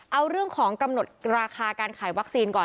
เอาเรื่องของกำหนดราคาการขายวัคซีนก่อน